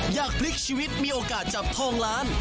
อยากพลิกชีวิตมีโอกาสจับทองล้าน